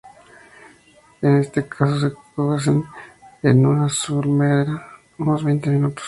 En este caso se cuecen en una salmuera unos veinte minutos.